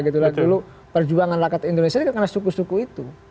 dulu perjuangan lakat indonesia itu karena suku suku itu